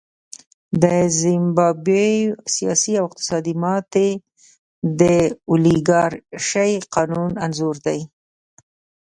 د زیمبابوې سیاسي او اقتصادي ماتې د اولیګارشۍ قانون انځور دی.